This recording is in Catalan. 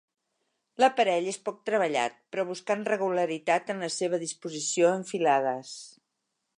L'aparell és poc treballat, però buscant regularitat en la seva disposició en filades.